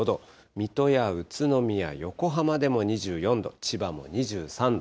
水戸や宇都宮、横浜でも２４度、千葉も２３度。